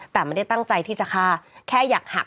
แต่ไม่ได้ตั้งใจที่จะฆ่าแค่อยากหัก